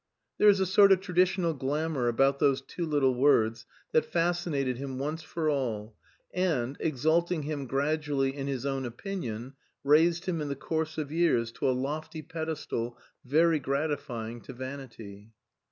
There is a sort of traditional glamour about those two little words that fascinated him once for all and, exalting him gradually in his own opinion, raised him in the course of years to a lofty pedestal very gratifying to vanity.